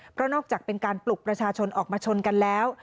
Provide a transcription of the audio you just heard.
เพราะนอกจากเป็นการปลุกประชาชนออกมาชนกันแล้ว